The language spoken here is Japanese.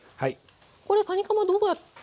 これかにかまどうやって下準備は。